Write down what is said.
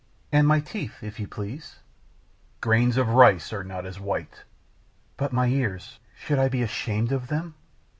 "And my teeth, if you please?" "Grains of rice are not as white." "But my ears, should I be ashamed of them?"